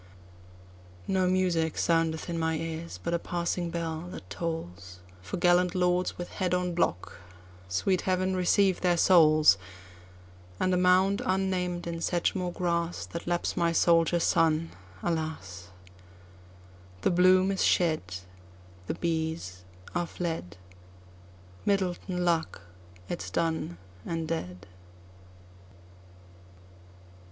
No music soundeth in my ears, but a passing bell that tollsFor gallant lords with head on block—sweet Heaven receive their souls! And a mound, unnamed, in Sedgemoor grass, That laps my soldier son, alas! The bloom is shed—The bees are fled—Myddelton luck it 's done and dead.